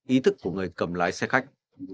ý thức của người cầm lái xe khách